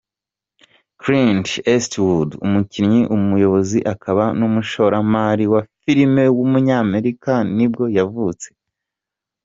Clint Eastwood, umukinnyi, umuyobozi akaba n’umushoramari wa filime w’umunyamerika nibwo yavutse.